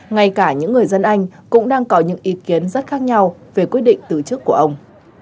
ngay cả những người dân anh cũng đang có những ý kiến rất khác nhau về quyết định từ chức của ông